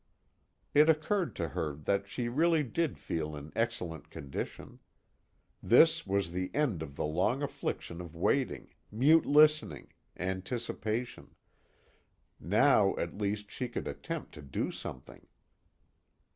It occurred to her that she really did feel in excellent condition. This was the end of the long affliction of waiting, mute listening, anticipation: now at least she could attempt to do something.